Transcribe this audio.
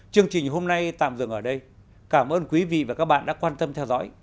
chương trình hôm nay tạm dừng ở đây cảm ơn quý vị và các bạn đã quan tâm theo dõi